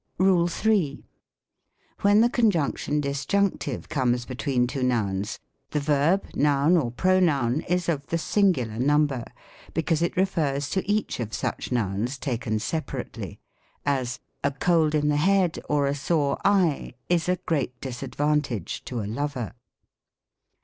KULE III. When the conjunction disjunctive comes between. iwp nouns, the verb, noun, or pronoun, is of the singu lar number, because it refers to each of such nouns taken separately : as, " A cold in the head, or a sore eye is a great disadvantage to a lover."